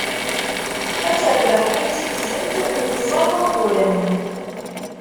Ad terbeḥ timsizelt n tẓa n wagguren.